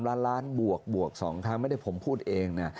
ล้านล้านบวกบวก๒ครั้งไม่ได้ผมพูดเองนะ